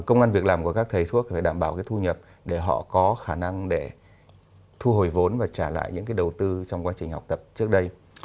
công an việc làm của các thầy thuốc phải đảm bảo cái thu nhập để họ có khả năng để thu hồi vốn và trả lại những cái đầu tư trong quá trình học tập trước đây